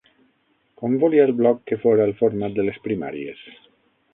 Com volia el Bloc que fora el format de les primàries?